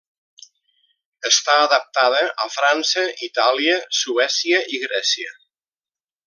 Està adaptada a França, Itàlia, Suècia i Grècia.